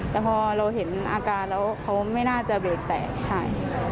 แต่พอเราเห็นอาการแล้วเขาไม่น่าจะเบรกแตกใช่